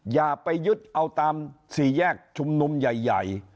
อย่าไปยึดเอาตามสี่แยกชุมนุมใหญ่